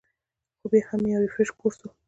خو بيا هم يو ريفرېشر کورس وۀ -